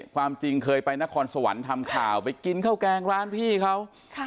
ความจริงเคยไปนครสวรรค์ทำข่าวไปกินข้าวแกงร้านพี่เขา